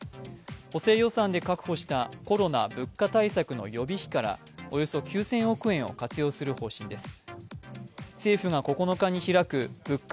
補正予算で確保したコロナ・物価対策の予備費からおよそ９０００億円を活用する方針です。